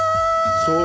そう。